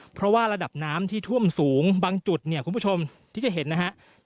เพราะว่าระดับน้ำที่ท่วมสูงบางจุดเนี่ยคุณผู้ชมที่จะเห็นนะครับ